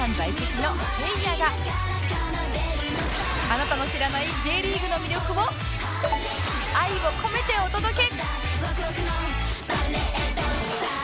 あなたの知らない Ｊ リーグの魅力を愛を込めてお届け！